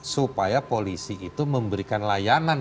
supaya polisi itu memberikan layanan